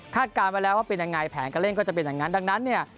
การไว้แล้วว่าเป็นยังไงแผนการเล่นก็จะเป็นอย่างนั้นดังนั้นเนี่ย